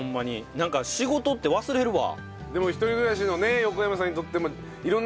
なんか仕事って忘れるわ。